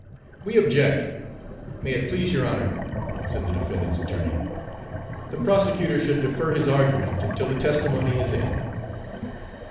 Page 299 "We object, may it please your Honor," said the defendant's attorney." The prosecutor should defer his argument until the testimony is in."